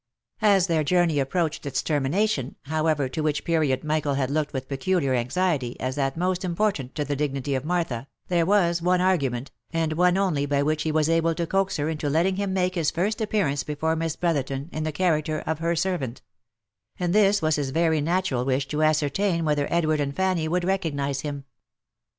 As their journey approached its termination, however (to which period Michael had looked with peculiar anxiety, as that most im portant to the dignity of Martha), there was one argument, and one only, by which he was able to coax her into letting him make his first appearance before Miss Brotherton in the character of her servant; 374 THE LIFE AND ADVENTURES and this was his very natural wish to ascertain whether Edward and Fanny would recognise him.